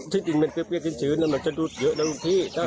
ที่ดินเป็นเปรี้ยวที่ชื้นมันจะดูดเยอะนะครับพี่